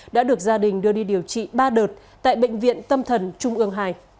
đã được gia đình đưa đi điều trị ba đợt tại bệnh viện tâm thần trung ương ii